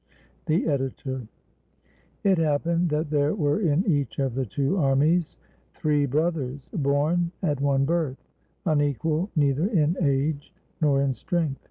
The Editor.] It happened that there were in each of the two armies three brothers born at one birth, unequal neither in age nor in strength.